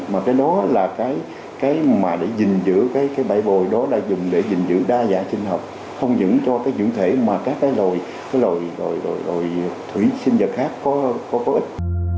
mà cái đó là cái mà để giữ cái bãi bồi đó là dùng để giữ đa dạ sinh học không những cho dưỡng thể mà các loại thủy sinh vật khác có ích